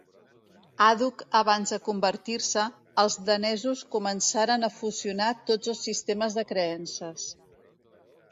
Àdhuc abans de convertir-se, els danesos començaren a fusionar tots dos sistemes de creences.